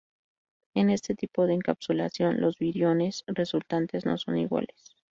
En este tipo de encapsulación los viriones resultantes no son iguales.